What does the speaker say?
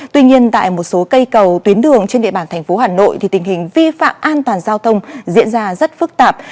tuy nhiên tại một số cây cầu tuyến đường trên địa bàn thành phố hà nội tình hình vi phạm an toàn giao thông diễn ra rất phức tạp